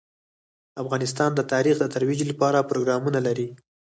افغانستان د تاریخ د ترویج لپاره پروګرامونه لري.